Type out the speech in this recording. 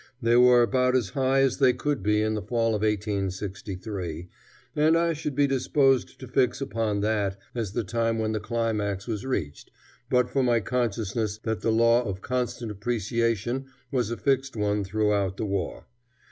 They were about as high as they could be in the fall of 1863, and I should be disposed to fix upon that as the time when the climax was reached, but for my consciousness that the law of constant appreciation was a fixed one throughout the war.